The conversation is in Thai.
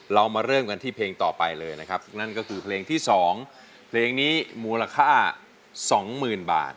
เรามาเริ่มกันที่เพลงต่อไปเลยนะครับ